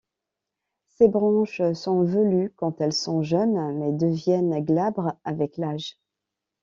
Ses branches sont velues quand elles sont jeunes mais deviennent glabres avec l'âge.